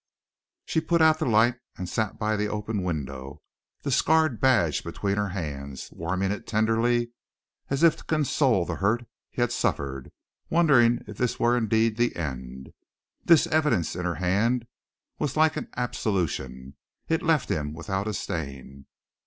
She put out the light and sat by the open window, the scarred badge between her hands, warming it tenderly as if to console the hurt he had suffered, wondering if this were indeed the end. This evidence in her hand was like an absolution; it left him without a stain.